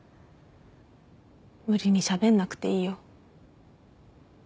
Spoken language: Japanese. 無理にしゃべんなくていいよ。